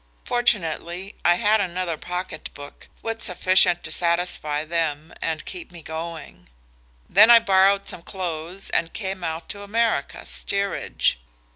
Fortunately, I had another pocketbook, with sufficient to satisfy them and keep me going. Then I borrowed some clothes and came out to America, steerage.